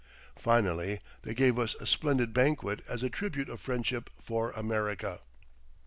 Finally, they gave us a splendid banquet as a tribute of friendship for America.